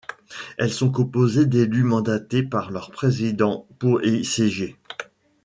Elles sont composées d'élus mandatés par leur Président pour y siéger.